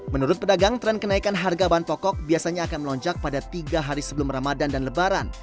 menurut pedagang tren kenaikan harga bahan pokok biasanya akan melonjak pada tiga hari sebelum ramadan dan lebaran